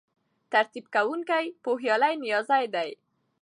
ترتیب کوونکی پوهیالی نیازی دی.